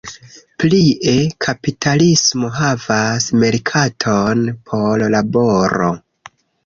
Plie, kapitalismo havas merkaton por laboro.